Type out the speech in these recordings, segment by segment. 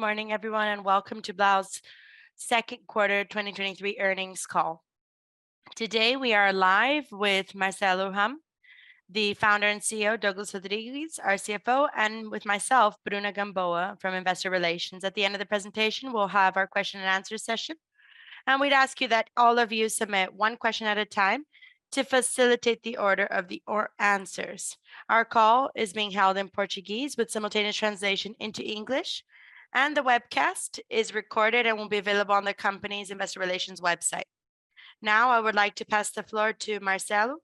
Good morning, everyone, and welcome to Blau's second quarter 2023 earnings call. Today, we are live with Marcelo Hahn, the Founder and CEO, Douglas Rodrigues, our CFO, and with myself, Bruna Gambôa from Investor Relations. At the end of the presentation, we'll have our question and answer session. We'd ask you that all of you submit one question at a time to facilitate the order of the answers. Our call is being held in Portuguese with simultaneous translation into English. The webcast is recorded and will be available on the company's Investor Relations website. Now, I would like to pass the floor to Marcelo,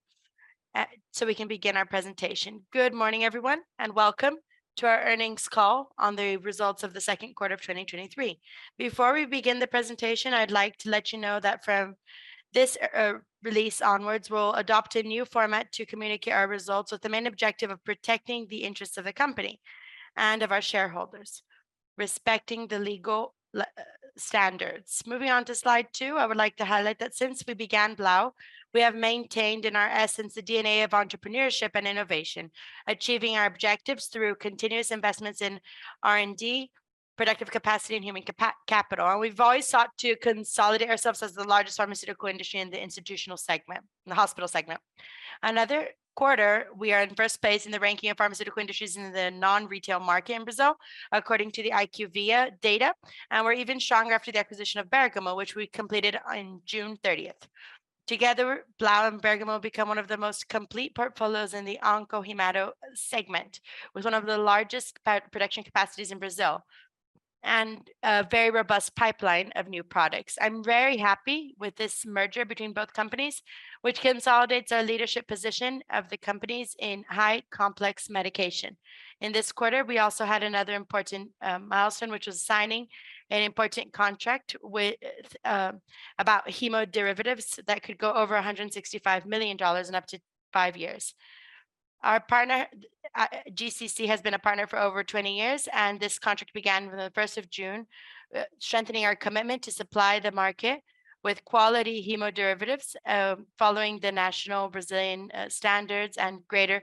so we can begin our presentation. Good morning, everyone, and welcome to our earnings call on the results of the second quarter of 2023. Before we begin the presentation, I'd like to let you know that from this release onwards, we'll adopt a new format to communicate our results with the main objective of protecting the interests of the company and of our shareholders, respecting the legal standards. Moving on to slide 2, I would like to highlight that since we began Blau, we have maintained in our essence, the DNA of entrepreneurship and innovation, achieving our objectives through continuous investments in R&D, productive capacity, and human capital. We've always sought to consolidate ourselves as the largest pharmaceutical industry in the institutional segment... the hospital segment. Another quarter, we are in 1st place in the ranking of pharmaceutical industries in the non-retail market in Brazil, according to the IQVIA data, and we're even stronger after the acquisition of Bergamo, which we completed on June 30th. Together, Blau and Bergamo become one of the most complete portfolios in the onco-hematology segment, with one of the largest production capacities in Brazil, and a very robust pipeline of new products. I'm very happy with this merger between both companies, which consolidates our leadership position of the companies in high complex medication. In this quarter, we also had another important milestone, which was signing an important contract with about hemoderivatives that could go over $165 million in up to 5 years. Our partner, GCC, has been a partner for over 20 years, and this contract began on the 1st of June, strengthening our commitment to supply the market with quality hemoderivatives, following the national Brazilian standards and greater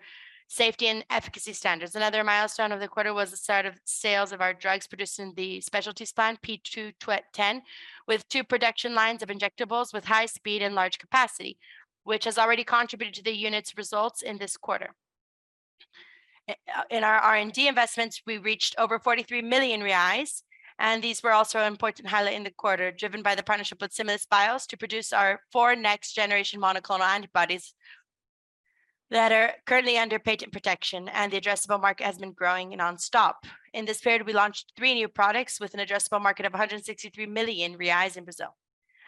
safety and efficacy standards. Another milestone of the quarter was the start of sales of our drugs produced in the specialties plant P210, with 2 production lines of injectables with high speed and large capacity, which has already contributed to the unit's results in this quarter. In our R&D investments, we reached over 43 million reais. These were also an important highlight in the quarter, driven by the partnership with Similis Bio to produce our 4 next-generation monoclonal antibodies that are currently under patent protection. The addressable market has been growing nonstop. In this period, we launched 3 new products with an addressable market of 163 million reais in Brazil.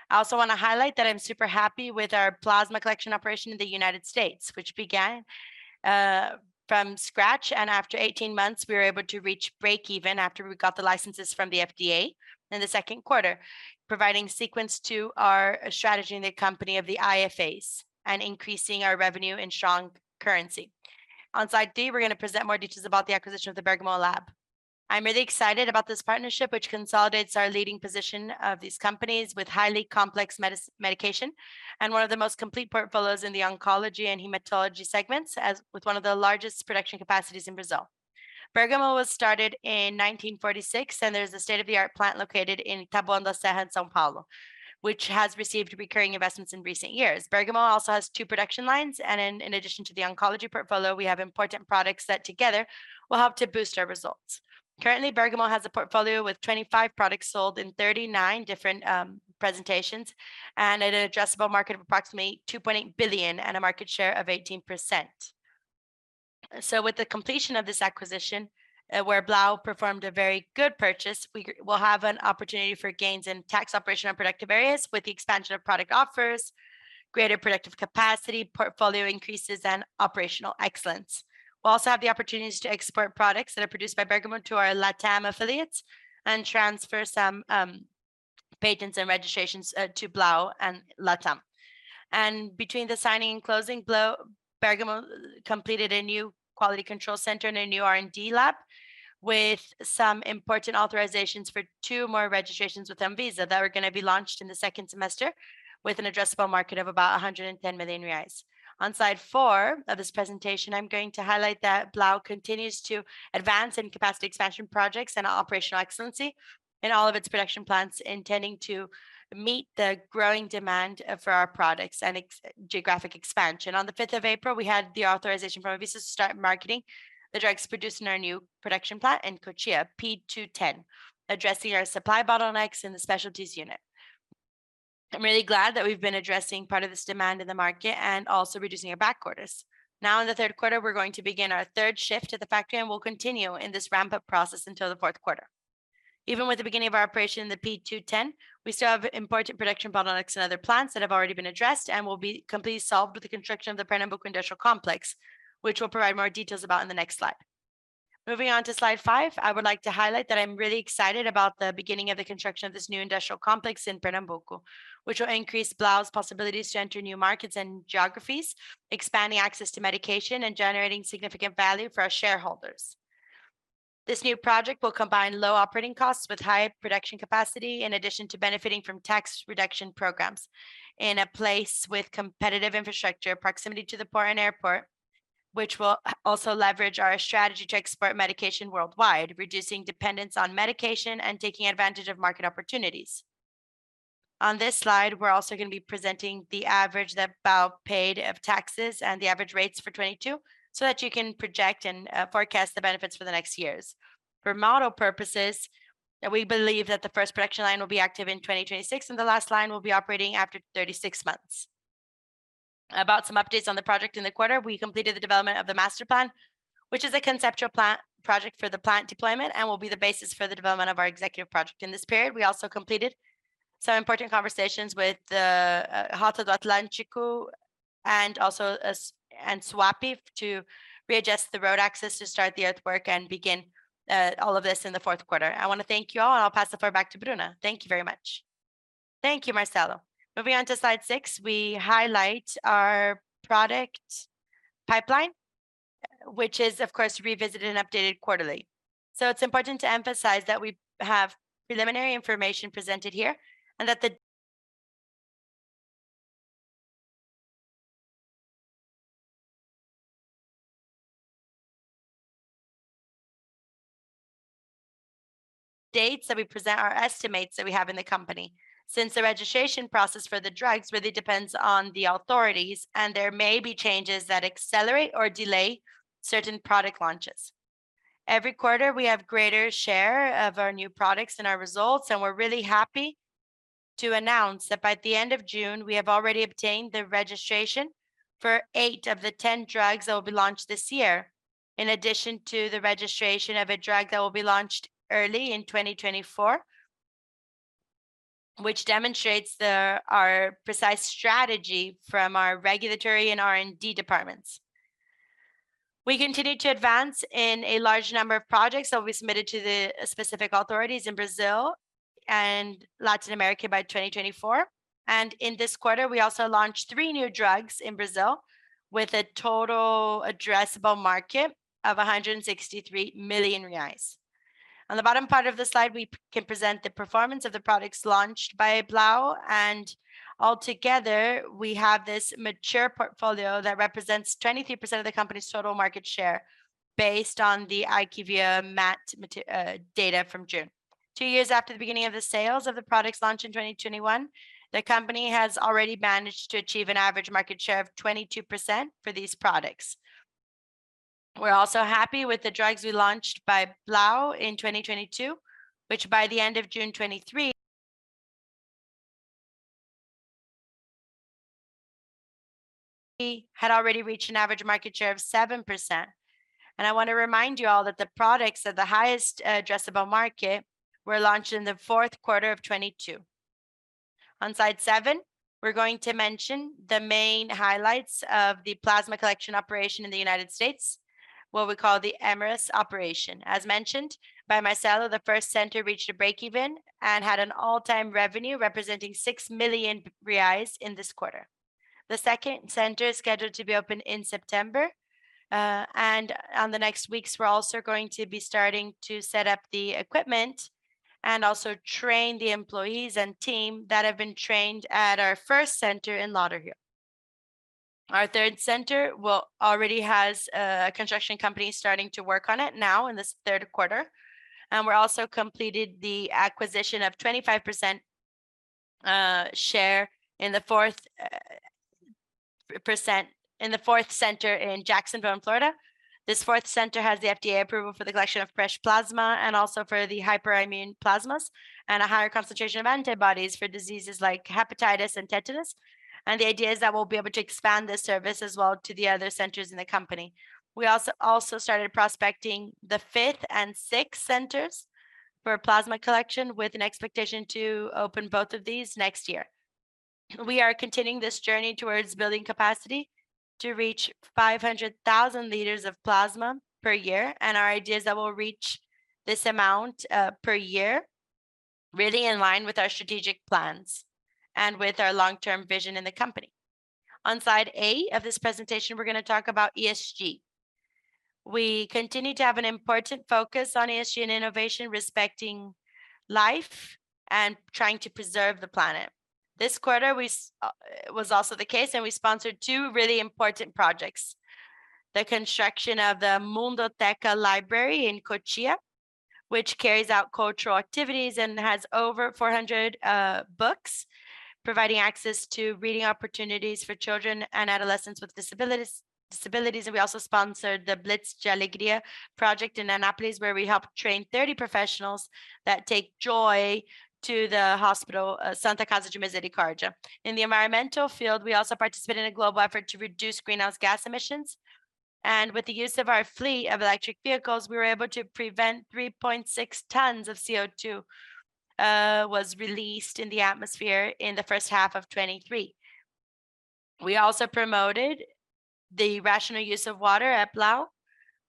I also want to highlight that I'm super happy with our plasma collection operation in the United States, which began from scratch, and after 18 months, we were able to reach break-even after we got the licenses from the FDA in the second quarter, providing sequence to our strategy in the company of the IFAs and increasing our revenue in strong currency. On slide 3, we're going to present more details about the acquisition of the Bergamo lab. I'm really excited about this partnership, which consolidates our leading position of these companies with highly complex medication, and one of the most complete portfolios in the onco-hematology segments, as with one of the largest production capacities in Brazil. Bergamo was started in 1946, and there's a state-of-the-art plant located in Taboão da Serra in São Paulo, which has received recurring investments in recent years. Bergamo also has 2 production lines, in addition to the oncology portfolio, we have important products that together will help to boost our results. Currently, Bergamo has a portfolio with 25 products sold in 39 different presentations, an addressable market of approximately $2.8 billion and a market share of 18%. With the completion of this acquisition, where Blau performed a very good purchase, we'll have an opportunity for gains in tax, operational, and productive areas with the expansion of product offers, greater productive capacity, portfolio increases, and operational excellence. We'll also have the opportunities to export products that are produced by Bergamo to our Latam affiliates and transfer some patents and registrations to Blau and Latam. Between the signing and closing, Blau-Bergamo completed a new quality control center and a new R&D lab, with some important authorizations for two more registrations with Anvisa that are going to be launched in the second semester, with an addressable market of about R$110 million. On slide 4 of this presentation, I'm going to highlight that Blau continues to advance in capacity expansion projects and operational excellence in all of its production plants, intending to meet the growing demand for our products and geographic expansion. On the 5th of April, we had the authorization from Anvisa to start marketing the drugs produced in our new production plant in Cotia, P210, addressing our supply bottlenecks in the specialties unit. I'm really glad that we've been addressing part of this demand in the market and also reducing our back orders. Now, in the 3rd quarter, we're going to begin our 3rd shift to the factory, and we'll continue in this ramp-up process until the 4th quarter. Even with the beginning of our operation in the P210, we still have important production bottlenecks in other plants that have already been addressed and will be completely solved with the construction of the Pernambuco Industrial Complex, which we'll provide more details about in the next slide. Moving on to slide 5, I would like to highlight that I'm really excited about the beginning of the construction of this new industrial complex in Pernambuco, which will increase Blau's possibilities to enter new markets and geographies, expanding access to medication and generating significant value for our shareholders. This new project will combine low operating costs with high production capacity, in addition to benefiting from tax reduction programs in a place with competitive infrastructure, proximity to the port and airport, which will also leverage our strategy to export medication worldwide, reducing dependence on medication and taking advantage of market opportunities. On this slide, we're also gonna be presenting the average that Blau paid of taxes and the average rates for 2022, so that you can project and forecast the benefits for the next years. For model purposes, we believe that the first production line will be active in 2026, and the last line will be operating after 36 months. About some updates on the project in the quarter, we completed the development of the master plan, which is a conceptual project for the plant deployment and will be the basis for the development of our executive project. In this period, we also completed some important conversations with Porto Atlântico and also Suape to readjust the road access to start the earthwork and begin all of this in the fourth quarter. I wanna thank you all, and I'll pass the floor back to Bruna. Thank you very much. Thank you, Marcelo. Moving on to slide six, we highlight our product pipeline, which is, of course, revisited and updated quarterly. It's important to emphasize that we have preliminary information presented here, and that the dates that we present are estimates that we have in the company, since the registration process for the drugs really depends on the authorities, and there may be changes that accelerate or delay certain product launches. Every quarter, we have greater share of our new products and our results, and we're really happy to announce that by the end of June, we have already obtained the registration for 8 of the 10 drugs that will be launched this year, in addition to the registration of a drug that will be launched early in 2024, which demonstrates our precise strategy from our regulatory and R&D departments. We continue to advance in a large number of projects that we submitted to the specific authorities in Brazil and Latin America by 2024. In this quarter, we also launched three new drugs in Brazil, with a total addressable market of 163 million reais. On the bottom part of the slide, we can present the performance of the products launched by Blau. Altogether, we have this mature portfolio that represents 23% of the company's total market share, based on the IQVIA MAT data from June. Two years after the beginning of the sales of the products launched in 2021, the company has already managed to achieve an average market share of 22% for these products. We're also happy with the drugs we launched by Blau in 2022, which by the end of June 2023, had already reached an average market share of 7%. I want to remind you all that the products of the highest addressable market were launched in the fourth quarter of 2022. On slide seven, we're going to mention the main highlights of the plasma collection operation in the United States, what we call the Hemarus operation. As mentioned by Marcelo, the first center reached a break-even and had an all-time revenue representing 6 million reais in this quarter. The second center is scheduled to be opened in September, On the next weeks, we're also going to be starting to set up the equipment and also train the employees and team that have been trained at our first center in Lauderhill. Our third center already has a construction company starting to work on it now in this third quarter, we're also completed the acquisition of 25% share in the fourth center in Jacksonville, Florida. This fourth center has the FDA approval for the collection of fresh plasma and also for the hyperimmune plasmas, a higher concentration of antibodies for diseases like hepatitis and tetanus. The idea is that we'll be able to expand this service as well to the other centers in the company. We also started prospecting the fifth and sixth centers for plasma collection, with an expectation to open both of these next year. We are continuing this journey towards building capacity to reach 500,000 liters of plasma per year, and our idea is that we'll reach this amount per year, really in line with our strategic plans and with our long-term vision in the company. On slide 8 of this presentation, we're gonna talk about ESG. We continue to have an important focus on ESG and innovation, respecting life and trying to preserve the planet. This quarter, we was also the case, and we sponsored 2 really important projects: the construction of the Mundoteca Library in Cotia, which carries out cultural activities and has over 400 books, providing access to reading opportunities for children and adolescents with disabilities. We also sponsored the Blitz da Alegria project in Anápolis, where we helped train 30 professionals that take joy to the hospital, Santa Casa de Misericórdia. In the environmental field, we also participated in a global effort to reduce greenhouse gas emissions, and with the use of our fleet of electric vehicles, we were able to prevent 3.6 tons of CO2 was released in the atmosphere in the first half of 2023. We also promoted the rational use of water at Blau,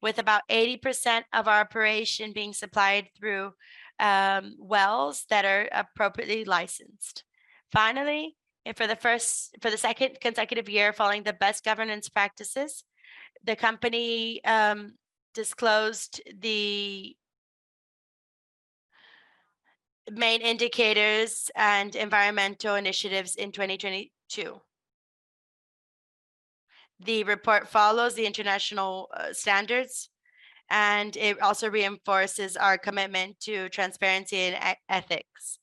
with about 80% of our operation being supplied through wells that are appropriately licensed. Finally, for the second consecutive year, following the best governance practices, the company disclosed main indicators and environmental initiatives in 2022. The report follows the international standards, and it also reinforces our commitment to transparency and ethics.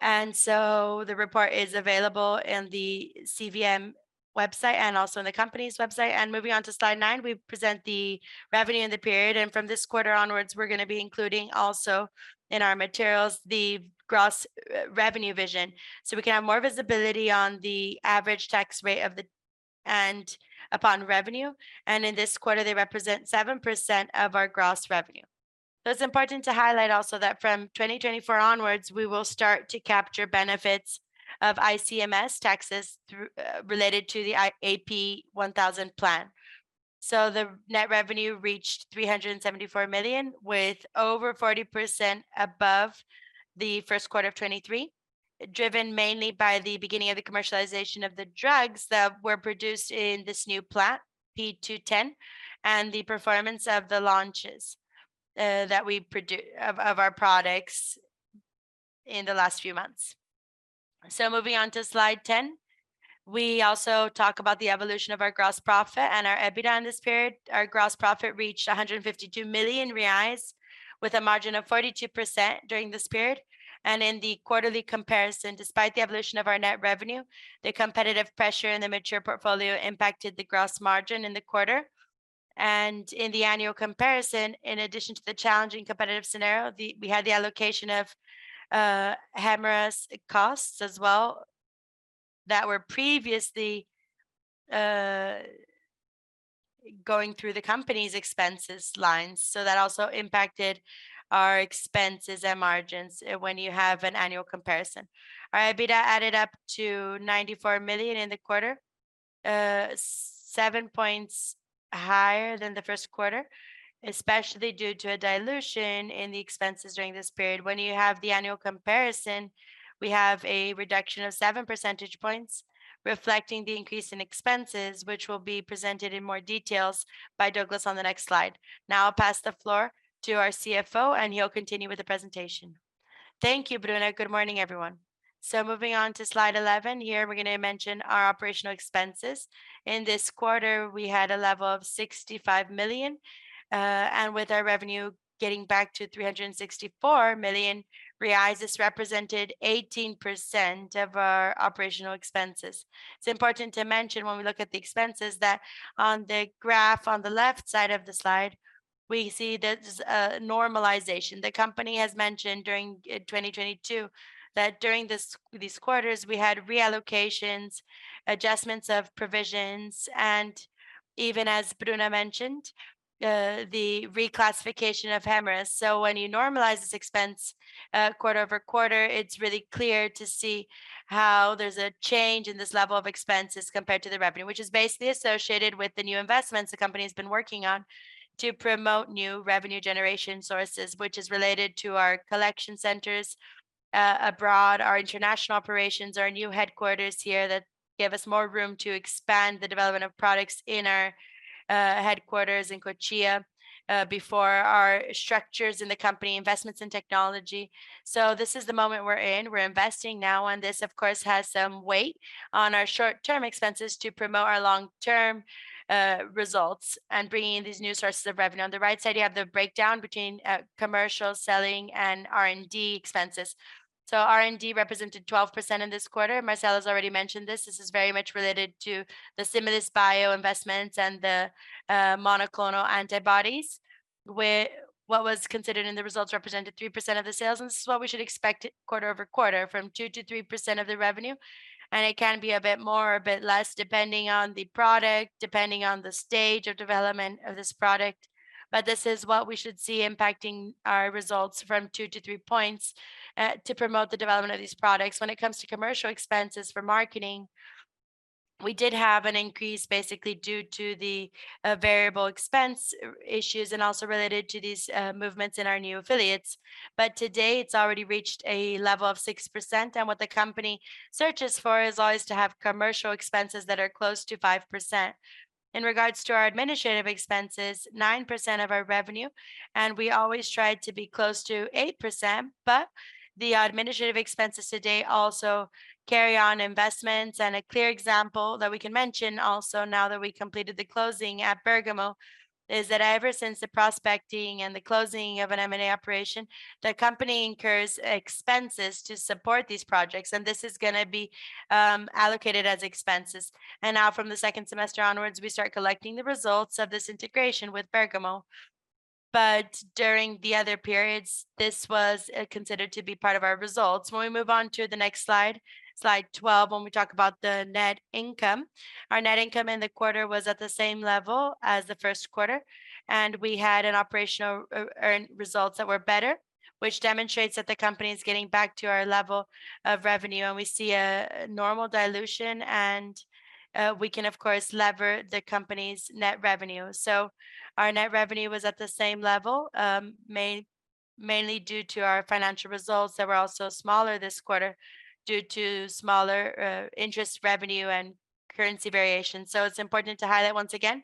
The report is available in the CVM website and also on the company's website. Moving on to slide 9, we present the revenue in the period, and from this quarter onwards, we're going to be including also in our materials, the gross revenue vision, so we can have more visibility on the average tax rate and upon revenue, and in this quarter, they represent 7% of our gross revenue. It's important to highlight also that from 2024 onwards, we will start to capture benefits of ICMS taxes through related to the IAP 1,000 plan. The net revenue reached 374 million, with over 40% above the first quarter of 2023, driven mainly by the beginning of the commercialization of the drugs that were produced in this new plant, P210, and the performance of the launches of our products in the last few months. Moving on to slide 10. We also talk about the evolution of our gross profit and our EBITDA in this period. Our gross profit reached R$152 million, with a margin of 42% during this period. In the quarterly comparison, despite the evolution of our net revenue, the competitive pressure in the mature portfolio impacted the gross margin in the quarter. In the annual comparison, in addition to the challenging competitive scenario, we had the allocation of Hemarus costs as well, that were previously going through the company's expenses lines. That also impacted our expenses and margins when you have an annual comparison. Our EBITDA added up to R$94 million in the quarter, 7 points higher than the first quarter, especially due to a dilution in the expenses during this period. When you have the annual comparison, we have a reduction of 7 percentage points, reflecting the increase in expenses, which will be presented in more details by Douglas on the next slide. I'll pass the floor to our CFO, and he'll continue with the presentation. Thank you, Bruna. Good morning, everyone. Moving on to slide 11, here, we're going to mention our operational expenses. In this quarter, we had a level of 65 million, and with our revenue getting back to 364 million reais, this represented 18% of our operational expenses. It's important to mention when we look at the expenses, that on the graph on the left side of the slide, we see there's a normalization. The company has mentioned during 2022, that during these quarters, we had reallocations, adjustments of provisions, and even as Bruna mentioned, the reclassification of Hemera. When you normalize this expense, quarter-over-quarter, it's really clear to see how there's a change in this level of expenses compared to the revenue, which is basically associated with the new investments the company has been working on to promote new revenue generation sources, which is related to our collection centers abroad, our international operations, our new headquarters here, that give us more room to expand the development of products in our headquarters in Cotia, before our structures in the company, investments in technology. This is the moment we're in. We're investing now, this, of course, has some weight on our short-term expenses to promote our long-term results and bringing in these new sources of revenue. On the right side, you have the breakdown between commercial, selling, and R&D expenses. R&D represented 12% in this quarter. Marcelo has already mentioned this. This is very much related to the Similis Bio investments and the monoclonal antibodies, where what was considered in the results represented 3% of the sales, this is what we should expect quarter-over-quarter, from 2%-3% of the revenue, and it can be a bit more or a bit less, depending on the product, depending on the stage of development of this product. This is what we should see impacting our results from 2-3 points to promote the development of these products. When it comes to commercial expenses for marketing, we did have an increase, basically due to the variable expense issues and also related to these movements in our new affiliates. To date, it's already reached a level of 6%, and what the company searches for is always to have commercial expenses that are close to 5%. In regards to our administrative expenses, 9% of our revenue, and we always tried to be close to 8%, but the administrative expenses to date also carry on investments. A clear example that we can mention also now that we completed the closing at Bergamo, is that ever since the prospecting and the closing of an M&A operation, the company incurs expenses to support these projects, and this is going to be allocated as expenses. Now from the second semester onwards, we start collecting the results of this integration with Bergamo. During the other periods, this was considered to be part of our results. When we move on to the next slide, slide 12, when we talk about the net income. Our net income in the quarter was at the same level as the first quarter, and we had an operational results that were better, which demonstrates that the company is getting back to our level of revenue, and we see a normal dilution and we can, of course, lever the company's net revenue. Our net revenue was at the same level, mainly due to our financial results that were also smaller this quarter, due to smaller interest revenue currency variation. It's important to highlight once again,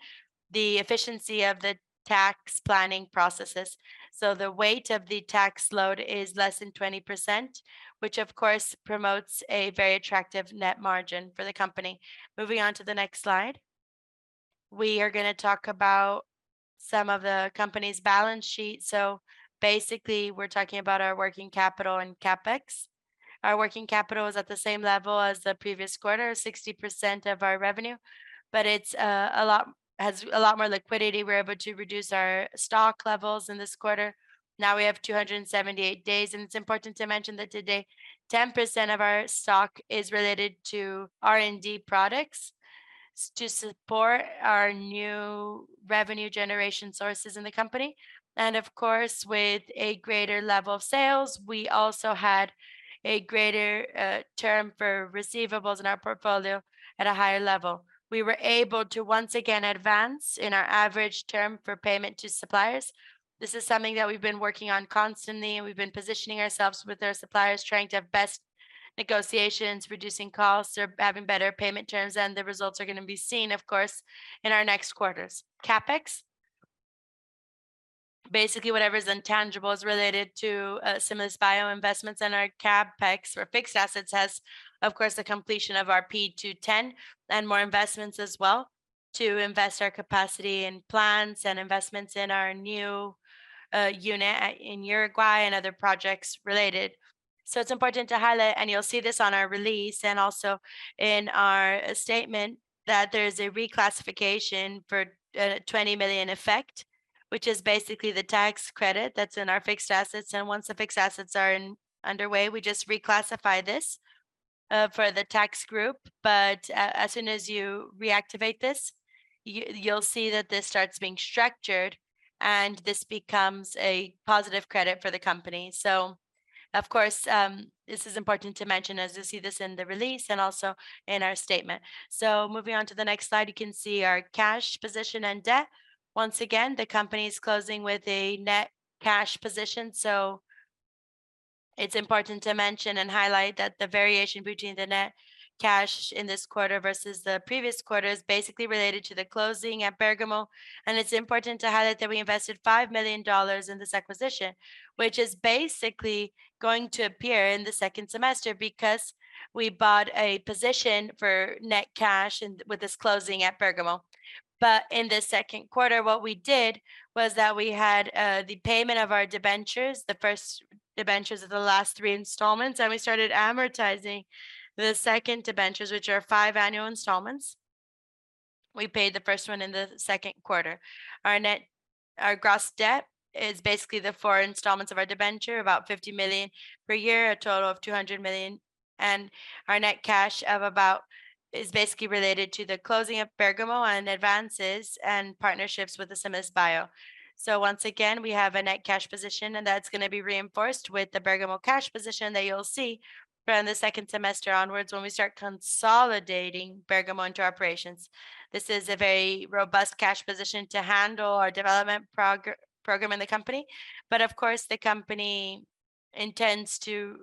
the efficiency of the tax planning processes. The weight of the tax load is less than 20%, which of course, promotes a very attractive net margin for the company. Moving on to the next slide. We are gonna talk about some of the company's balance sheet. Basically, we're talking about our working capital and CapEx. Our working capital is at the same level as the previous quarter, 60% of our revenue, but it's, a lot- has a lot more liquidity. We're able to reduce our stock levels in this quarter. Now we have 278 days, and it's important to mention that today, 10% of our stock is related to R&D products to support our new revenue generation sources in the company. Of course, with a greater level of sales, we also had a greater term for receivables in our portfolio at a higher level. We were able to once again advance in our average term for payment to suppliers. This is something that we've been working on constantly, and we've been positioning ourselves with our suppliers, trying to have best negotiations, reducing costs, or having better payment terms, and the results are gonna be seen, of course, in our next quarters. CapEx. Basically, whatever is intangibles related to Similis Bio investments in our CapEx or fixed assets has, of course, the completion of our P210 and more investments as well, to invest our capacity in plants and investments in our new unit in Uruguay and other projects related. It's important to highlight, and you'll see this on our release and also in our statement, that there is a reclassification for 20 million effect, which is basically the tax credit that's in our fixed assets, and once the fixed assets are in, underway, we just reclassify this for the tax group. As soon as you reactivate this, you'll see that this starts being structured, and this becomes a positive credit for the company. Of course, this is important to mention, as you see this in the release and also in our statement. Moving on to the next slide, you can see our cash position and debt. Once again, the company is closing with a net cash position, so it's important to mention and highlight that the variation between the net cash in this quarter versus the previous quarter is basically related to the closing at Bergamo. It's important to highlight that we invested $5 million in this acquisition, which is basically going to appear in the second semester because we bought a position for net cash and with this closing at Bergamo. In the second quarter, what we did was that we had the payment of our debentures, the first debentures of the last three installments, and we started amortizing the second debentures, which are five annual installments. We paid the first one in the second quarter. Our gross debt is basically the four installments of our debenture, 50 million per year, a total of 200 million. Our net cash is basically related to the closing of Bergamo and advances and partnerships with Similis Bio. Once again, we have a net cash position, and that's gonna be reinforced with the Bergamo cash position that you'll see from the second semester onwards when we start consolidating Bergamo into our operations. This is a very robust cash position to handle our development program in the company. Of course, the company intends to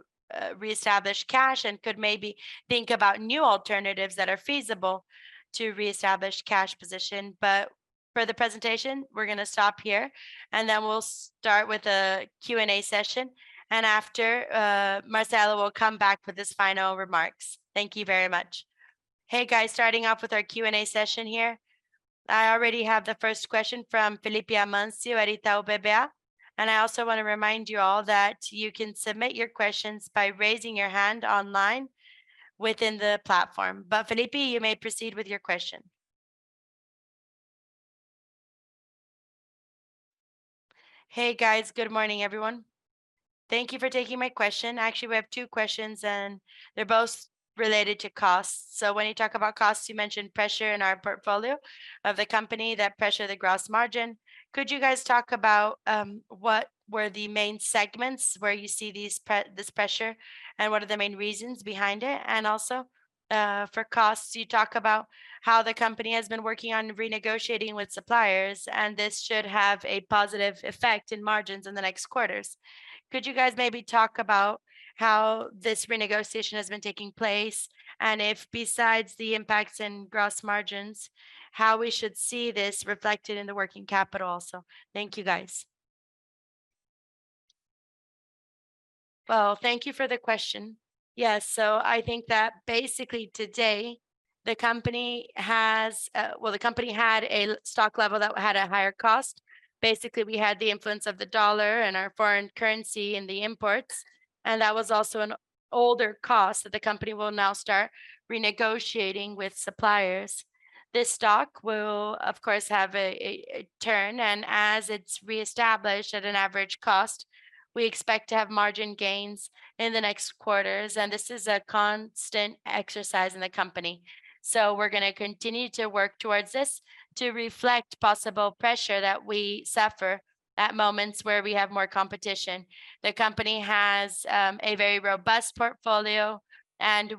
reestablish cash and could maybe think about new alternatives that are feasible to reestablish cash position. For the presentation, we're gonna stop here, and then we'll start with a Q&A session, and after, Marcelo will come back with his final remarks. Thank you very much. Hey, guys, starting off with our Q&A session here. I already have the first question from Felipe Amancio, Itaú BBA. I also want to remind you all that you can submit your questions by raising your hand online within the platform. Felipe, you may proceed with your question. Hey, guys. Good morning, everyone. Thank you for taking my question. Actually, we have two questions, and they're both related to cost. When you talk about costs, you mentioned pressure in our portfolio of the company, that pressure, the gross margin. Could you guys talk about what were the main segments where you see this pressure, and what are the main reasons behind it? Also, for costs, you talk about how the company has been working on renegotiating with suppliers, and this should have a positive effect in margins in the next quarters. Could you guys maybe talk about how this renegotiation has been taking place, and if besides the impacts in gross margins, how we should see this reflected in the working capital also? Thank you, guys. Well, thank you for the question. Yes, so I think that basically today, the company has. Well, the company had a stock level that had a higher cost. Basically, we had the influence of the dollar and our foreign currency in the imports, and that was also an older cost that the company will now start renegotiating with suppliers. This stock will, of course, have a turn. As it's reestablished at an average cost, we expect to have margin gains in the next quarters. This is a constant exercise in the company. We're gonna continue to work towards this to reflect possible pressure that we suffer at moments where we have more competition. The company has a very robust portfolio.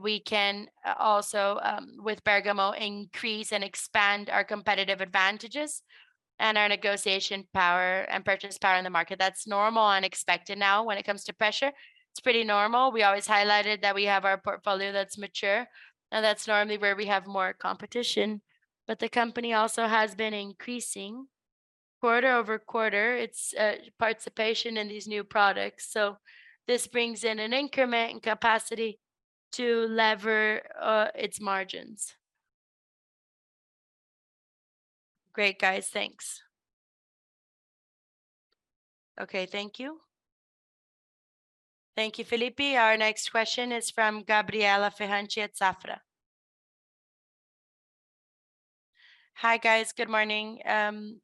We can also, with Bergamo, increase and expand our competitive advantages and our negotiation power and purchase power in the market. That's normal and expected now when it comes to pressure. It's pretty normal. We always highlighted that we have our portfolio that's mature. That's normally where we have more competition. The company also has been increasing quarter-over-quarter its participation in these new products. This brings in an increment in capacity to lever its margins. Great, guys. Thanks. Okay, thank you. Thank you, Felipe. Our next question is from Gabriela Ferrari Chiuchi at Safra. Hi, guys. Good morning. I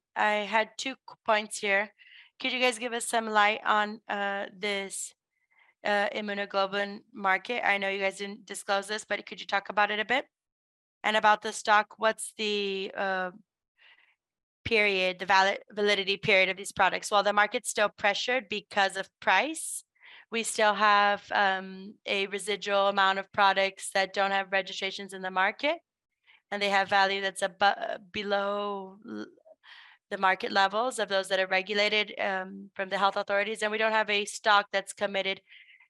had 2 points here. Could you guys give us some light on this immunoglobulin market? I know you guys didn't disclose this, but could you talk about it a bit? About the stock, what's the period, the validity period of these products? Well, the market's still pressured because of price. We still have a residual amount of products that don't have registrations in the market, and they have value that's below the market levels of those that are regulated from the health authorities. We don't have a stock that's committed-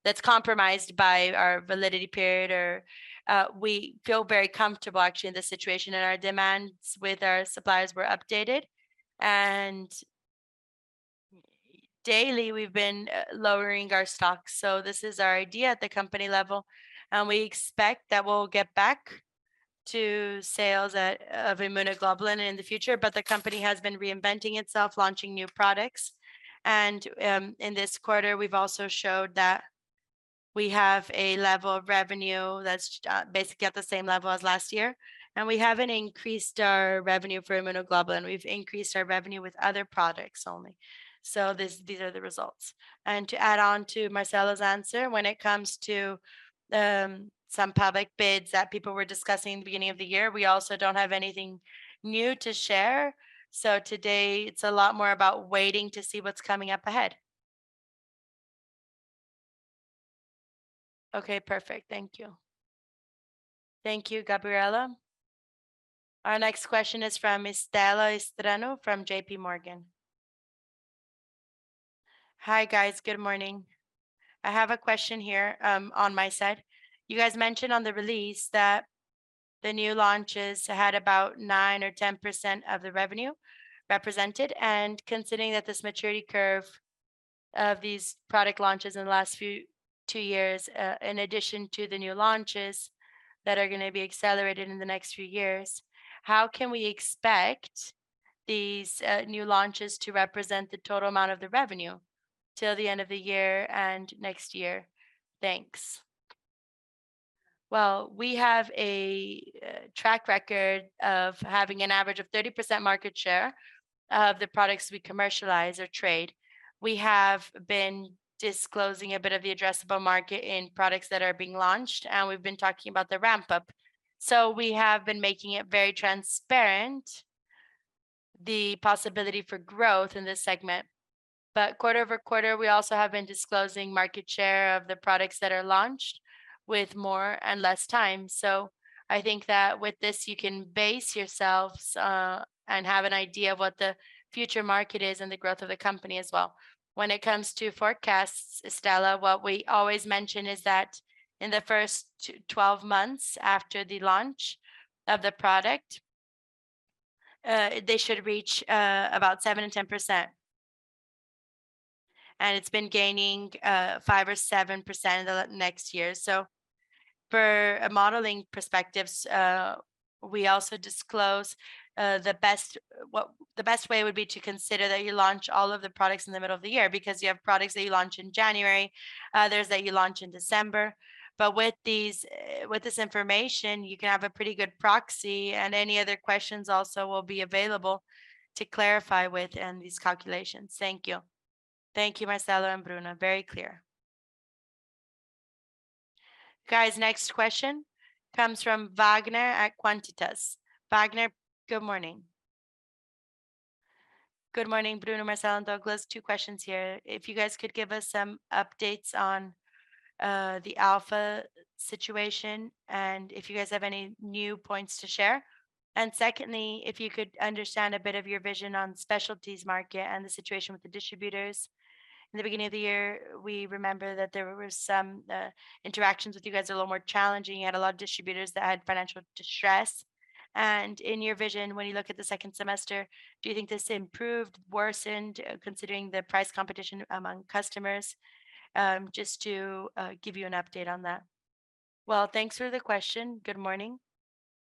that's compromised by our validity period, or we feel very comfortable actually in this situation, and our demands with our suppliers were updated. Daily, we've been lowering our stocks, so this is our idea at the company level, and we expect that we'll get back to sales of immunoglobulin in the future. The company has been reinventing itself, launching new products, and in this quarter, we've also showed that we have a level of revenue that's basically at the same level as last year. We haven't increased our revenue for immunoglobulin. We've increased our revenue with other products only. These, these are the results. To add on to Marcelo's answer, when it comes to some public bids that people were discussing at the beginning of the year, we also don't have anything new to share. Today it's a lot more about waiting to see what's coming up ahead. Okay, perfect. Thank you. Thank you, Gabriela. Our next question is from Estela Betchor Estirano from JP Morgan. Hi, guys. Good morning. I have a question here on my side. You guys mentioned on the release that the new launches had about 9% or 10% of the revenue represented, and considering that this maturity curve of these product launches in the last few, 2 years, in addition to the new launches that are gonna be accelerated in the next few years, how can we expect these new launches to represent the total amount of the revenue till the end of the year and next year? Thanks. Well, we have a track record of having an average of 30% market share of the products we commercialize or trade. We have been disclosing a bit of the addressable market in products that are being launched, and we've been talking about the ramp-up. We have been making it very transparent, the possibility for growth in this segment. Quarter-over-quarter, we also have been disclosing market share of the products that are launched with more and less time. I think that with this, you can base yourselves and have an idea of what the future market is and the growth of the company as well. When it comes to forecasts, Estella, what we always mention is that in the first 12 months after the launch of the product, they should reach about 7% and 10%, and it's been gaining 5% or 7% in the next year. For a modeling perspectives, we also disclose the best... Well, the best way would be to consider that you launch all of the products in the middle of the year, because you have products that you launch in January, others that you launch in December. With this information, you can have a pretty good proxy, and any other questions also will be available to clarify with and these calculations. Thank you. Thank you, Marcelo and Bruna. Very clear. Guys, next question comes from Vagner Albernaz at A7 Capital. Vagner, good morning. Good morning, Bruno, Marcelo, and Douglas. Two questions here. If you guys could give us some updates on the Alpha situation, and if you guys have any new points to share. Secondly, if you could understand a bit of your vision on specialties market and the situation with the distributors. In the beginning of the year, we remember that there were some interactions with you guys, a little more challenging. You had a lot of distributors that had financial distress. In your vision, when you look at the second semester, do you think this improved, worsened, considering the price competition among customers? Just to give you an update on that. Well, thanks for the question. Good morning.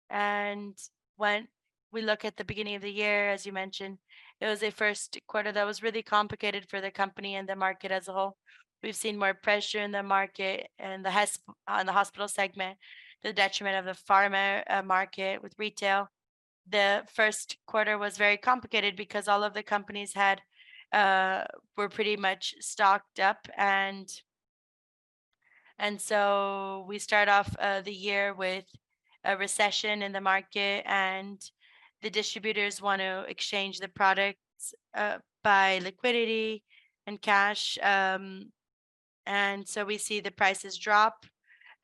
When we look at the beginning of the year, as you mentioned, it was a first quarter that was really complicated for the company and the market as a whole. We've seen more pressure in the market and the hosp- on the hospital segment, the detriment of the pharma market with retail. The first quarter was very complicated because all of the companies were pretty much stocked up, and so we start off the year with a recession in the market, and the distributors want to exchange the products by liquidity and cash. We see the prices drop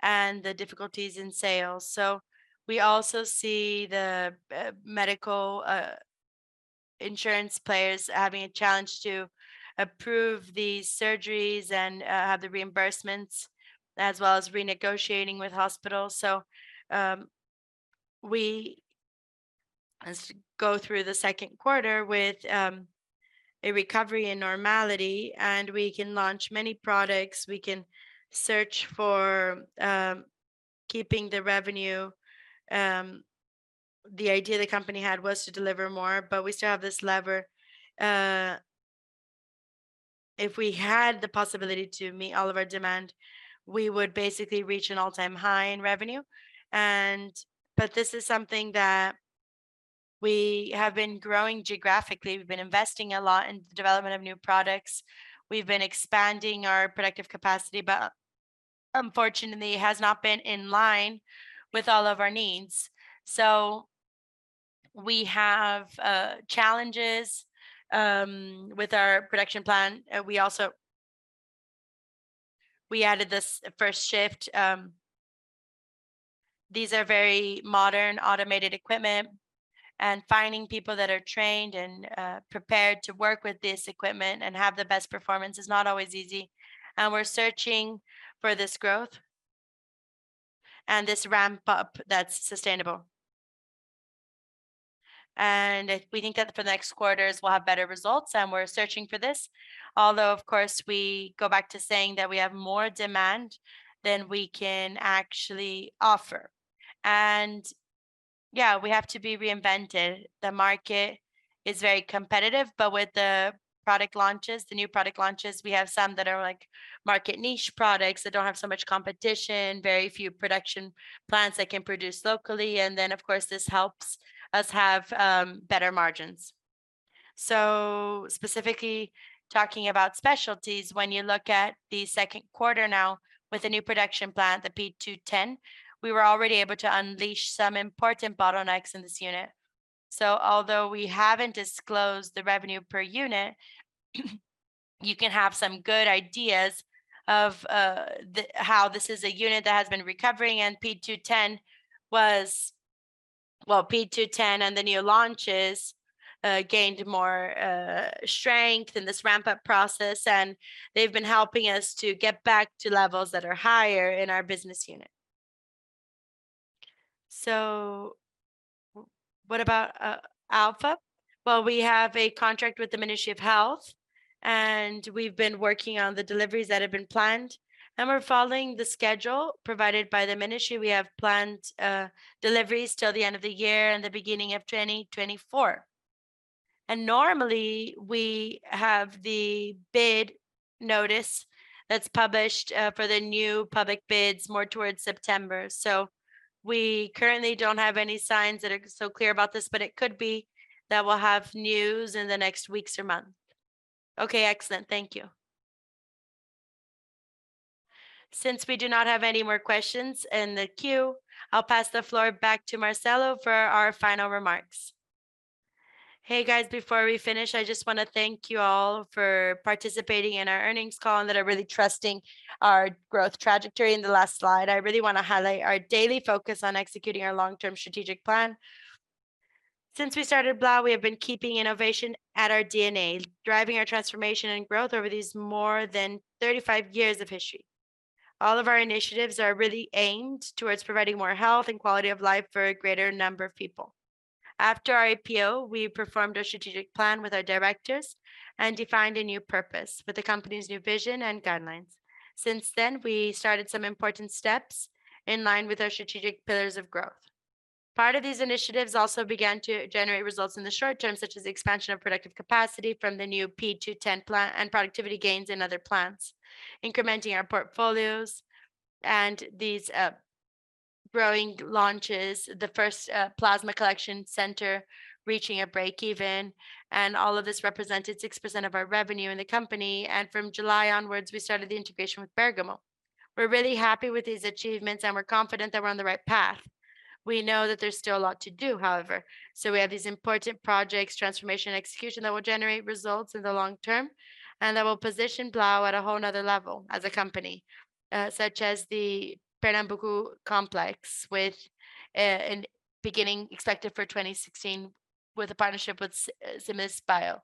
and the difficulties in sales. We also see the medical insurance players having a challenge to approve these surgeries and have the reimbursements, as well as renegotiating with hospitals. We, as go through the second quarter with a recovery in normality, and we can launch many products, we can search for keeping the revenue. The idea the company had was to deliver more, we still have this lever. If we had the possibility to meet all of our demand, we would basically reach an all-time high in revenue, this is something that we have been growing geographically. We've been investing a lot in the development of new products. We've been expanding our productive capacity, unfortunately, it has not been in line with all of our needs. We have challenges with our production plan. We added this first shift. These are very modern, automated equipment, and finding people that are trained and prepared to work with this equipment and have the best performance is not always easy, and we're searching for this growth and this ramp-up that's sustainable. We think that for the next quarters, we'll have better results, and we're searching for this. Although, of course, we go back to saying that we have more demand than we can actually offer. Yeah, we have to be reinvented. The market is very competitive, but with the product launches, the new product launches, we have some that are, like, market niche products that don't have so much competition, very few production plants that can produce locally, and then, of course, this helps us have better margins. Specifically talking about specialties, when you look at the second quarter now with the new production plant, the P210, we were already able to unleash some important bottlenecks in this unit. Although we haven't disclosed the revenue per unit, you can have some good ideas of the how this is a unit that has been recovering, and P210 was. Well, P210 and the new launches gained more strength in this ramp-up process, and they've been helping us to get back to levels that are higher in our business unit. What about Alpha? We have a contract with the Ministry of Health, and we've been working on the deliveries that have been planned, and we're following the schedule provided by the ministry. We have planned deliveries till the end of the year and the beginning of 2024. Normally, we have the bid notice that's published for the new public bids more towards September. We currently don't have any signs that are so clear about this, but it could be that we'll have news in the next weeks or months. Okay, excellent. Thank you. Since we do not have any more questions in the queue, I'll pass the floor back to Marcelo for our final remarks. Hey, guys, before we finish, I just want to thank you all for participating in our earnings call, and that are really trusting our growth trajectory in the last slide. I really want to highlight our daily focus on executing our long-term strategic plan. Since we started Blau, we have been keeping innovation at our DNA, driving our transformation and growth over these more than 35 years of history. All of our initiatives are really aimed towards providing more health and quality of life for a greater number of people. After our IPO, we performed a strategic plan with our directors and defined a new purpose for the company's new vision and guidelines. Since then, we started some important steps in line with our strategic pillars of growth. Part of these initiatives also began to generate results in the short term, such as the expansion of productive capacity from the new P210 plant and productivity gains in other plants, incrementing our portfolios and these growing launches, the first plasma collection center reaching a break-even. All of this represented 6% of our revenue in the company. From July onwards, we started the integration with Bergamo. We're really happy with these achievements, and we're confident that we're on the right path. We know that there's still a lot to do, however, so we have these important projects, transformation, and execution that will generate results in the long term, and that will position Blau at a whole another level as a company, such as the Pernambuco complex, with a, an beginning expected for 2016, with a partnership with Similis Bio.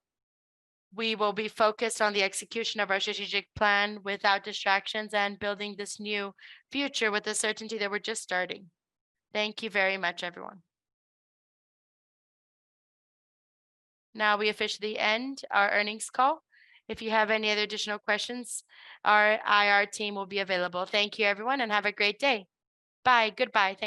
We will be focused on the execution of our strategic plan without distractions and building this new future with the certainty that we're just starting. Thank you very much, everyone. Now, we officially end our earnings call. If you have any other additional questions, our IR team will be available. Thank you, everyone, and have a great day. Bye. Goodbye. Thank you.